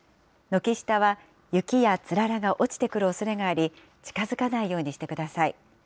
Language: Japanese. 軒下は雪やつららが落ちてくるおそれがあり、近づかないようにしてください。